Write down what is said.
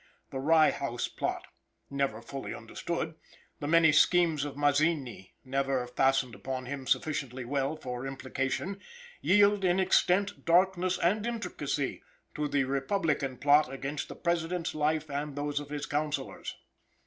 The Rye House plot, never fully understood; the many schemes of Mazzini, never fastened upon him sufficiently well for implication, yield in extent, darkness and intricacy, to the republican plot against the President's life and those of his counselors.